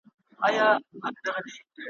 لمبو ته یې سپارلی بدخشان دی که کابل دی `